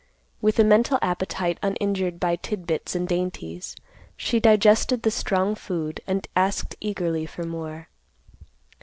With a mental appetite uninjured by tit bits and dainties, she digested the strong food, and asked eagerly for more.